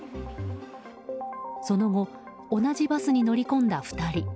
その後同じバスに乗り込んだ２人。